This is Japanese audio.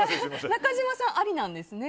中島さん、ありなんですね。